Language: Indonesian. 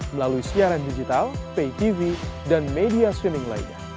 melalui siaran digital pay tv dan media switming lainnya